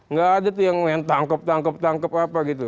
nggak ada tuh yang tangkep tangkep tangkep apa gitu